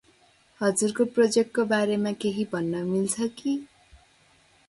हजुरको प्रोजेक्ट को बारेमा केही भन्न मिल्छ कि?